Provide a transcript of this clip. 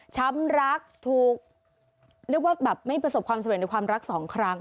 ช้ำรักถูกไม่ประสบความเสมอในความรัก๒ครั้ง